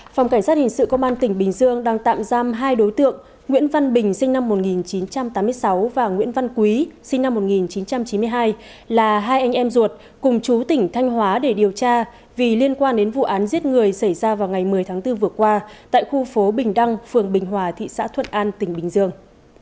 phòng cảnh sát hình sự công an tỉnh bình dương đang tạm giam hai đối tượng nguyễn văn bình sinh năm một nghìn chín trăm tám mươi sáu và nguyễn văn quý sinh năm một nghìn chín trăm chín mươi hai là hai anh em ruột cùng chú tỉnh thanh hóa để điều tra vì liên quan đến vụ án giết người xảy ra vào ngày một mươi tháng bốn vừa qua tại khu phố bình đăng phường bình hòa thị xã thuận an tỉnh bình dương